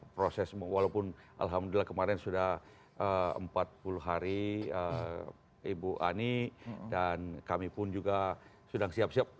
proses walaupun alhamdulillah kemarin sudah empat puluh hari ibu ani dan kami pun juga sudah siap siap